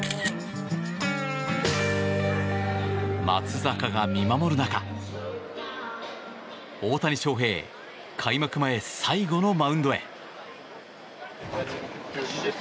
松坂が見守る中大谷翔平開幕前最後のマウンドへ。